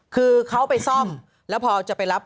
คือเขาไปซ่อมแล้วพอจะไปรับ